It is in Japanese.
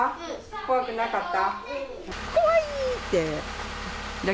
怖くなかった。